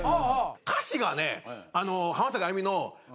歌詞がね。